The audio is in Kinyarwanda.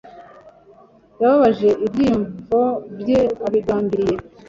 Yababaje ibyiyumvo bye abigambiriye.